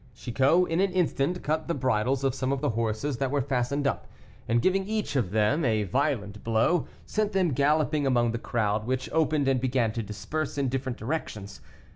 Chicot in an instant cut the bridles of some of the horses that were fastened up, and giving them each a violent blow, sent them galloping among the crowd, which opened, and began to disperse in different directions.